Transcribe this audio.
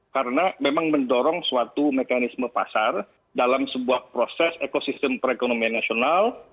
karena memang mendorong suatu mekanisme pasar dalam sebuah proses ekosistem perekonomian nasional